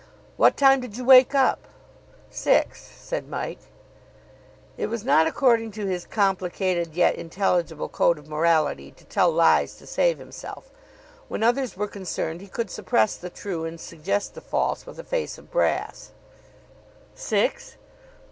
"What time did you wake up?" "Six," said Mike. It was not according to his complicated, yet intelligible code of morality to tell lies to save himself. When others were concerned he could suppress the true and suggest the false with a face of brass. "Six!"